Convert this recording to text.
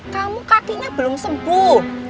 kamu kakinya belum sembuh